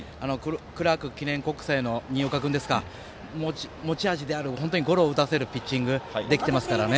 クラーク記念国際の新岡君ですか持ち味である本当にゴロを打たせるピッチングできてますからね。